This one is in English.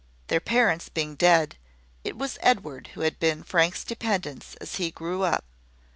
Their parents being dead, it was Edward who had been Frank's dependence as he grew up.